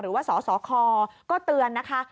หรือว่าสสคก็เตือนนะคะ